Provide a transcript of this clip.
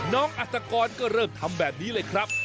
อัศกรก็เริ่มทำแบบนี้เลยครับ